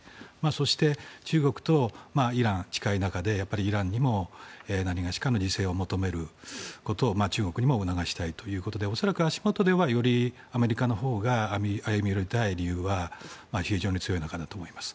そして、中国とイラン近い中でイランにも何がしかの自制を求めることを中国にも促したいということで恐らく、足元ではアメリカのほうが歩み寄りたい理由は非常に強いのかなと思います。